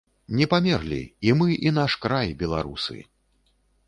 Не памерлі, і мы і наш край, беларусы!